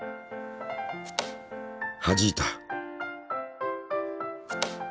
はじいた。